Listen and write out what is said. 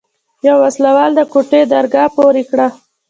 يوه وسله وال د کوټې درګاه پورې کړه.